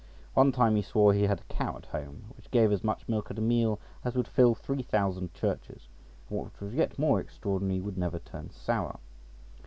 One time he swore he had a cow at home which gave as much milk at a meal as would fill three thousand churches, and what was yet more extraordinary, would never turn sour.